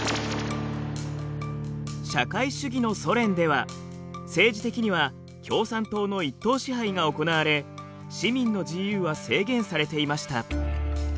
社会主義のソ連では政治的には共産党の一党支配が行われ市民の自由は制限されていました。